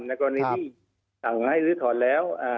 ในกรณีที่ต่างให้รื้อถอนแล้ว